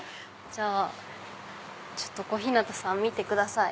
じゃあ小日向さん見てください。